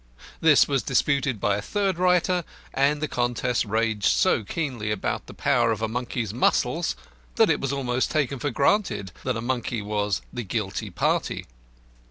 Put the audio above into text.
This was disputed by a third writer, and the contest raged so keenly about the power of monkeys' muscles that it was almost taken for granted that a monkey was the guilty party.